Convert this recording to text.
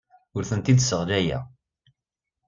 Ur tent-id-sseɣlayeɣ.